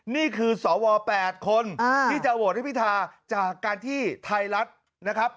นี่คือสว๘คนที่จะโหวตให้พิธาจากการที่ไทยรัฐนะครับ